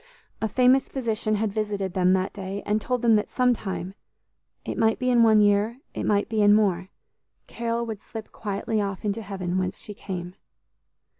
A famous physician had visited them that day, and told them that sometime, it might be in one year, it might be in more, Carol would slip quietly off into heaven, whence she came.